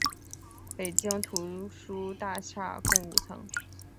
北京图书大厦共五层。